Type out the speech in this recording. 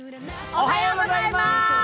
おはようございます。